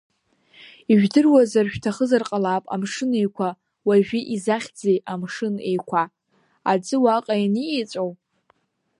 Ишәдыруазар шәҭахызар ҟалап Амшын Еиқәа уажәы изахьӡи Амшын Еиқәа, аӡы уаҟа ианиеҵәоу?